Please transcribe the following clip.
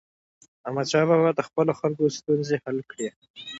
احمدشاه بابا د خپلو خلکو ستونزې حل کړي.